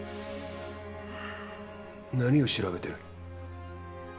うん何を調べてる？